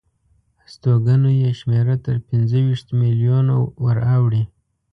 استوګنو یې شمېره تر پنځه ویشت میلیونو وراوړي.